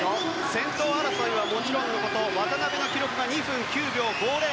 先頭争いはもちろんのこと渡辺の記録が２分９秒５０。